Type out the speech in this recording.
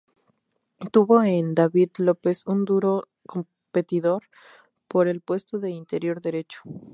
Tuvo en David López un duro competidor por el puesto de interior derecho.